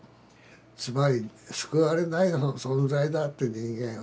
つまり救われない存在だって人間は。